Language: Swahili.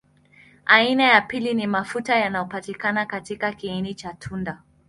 Aina ya pili ni mafuta yanapatikana katika kiini cha tunda.